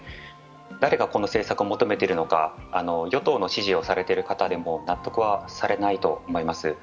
誰がこの政策を求めているのか、与党の支持をされている方でも納得はされないと思います。